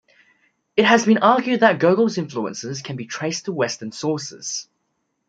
It has been argued that Gogol's influences can be traced to Western sources.